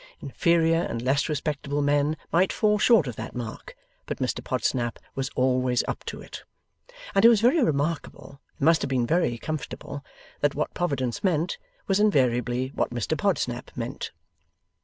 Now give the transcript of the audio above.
Inferior and less respectable men might fall short of that mark, but Mr Podsnap was always up to it. And it was very remarkable (and must have been very comfortable) that what Providence meant, was invariably what Mr Podsnap meant.